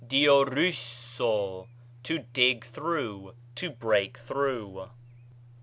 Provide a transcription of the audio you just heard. διορύσσω, to dig through, to break through.